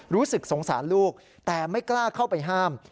รู้สึกสงสารลูกแต่ไม่กล้าเข้าไปห้าม